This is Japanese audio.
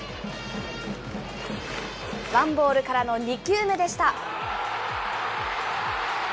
ワンボールからの２球目でした。